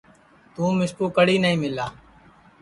تُوں مِسکُو کڑھی نائی مِلا